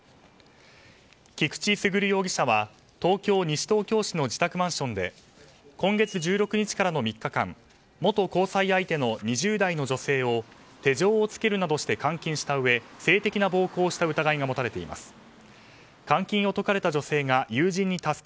菊地優容疑者は東京・西東京市の自宅マンションで今月１６日からの３日間元交際相手の２０代の女性を手錠をつけるなどして監禁したうえ性的な暴行をした疑いが持たれています。